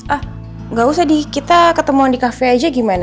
ah nggak usah di kita ketemuan di cafe aja gimana